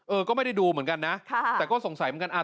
เออก็ไม่ได้ดูเหมือนกันนะแต่ก็สงสัยเหมือนกันอ่า